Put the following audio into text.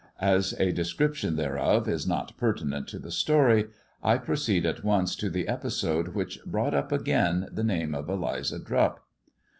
As a descrip tion thereof is not pertinent to the story, I proceed at once to the episode which brought up again the name of Eliza Drupp.